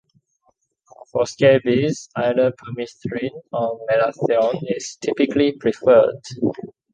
For scabies either permethrin or malathion is typically preferred.